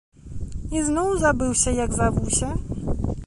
Ізноў забыўся, як завуся?